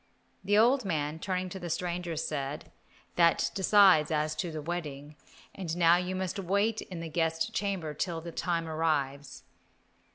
The old man, turning to the stranger, said, "That decides as to the wedding, and now you must wait in the guest chamber till the time arrives."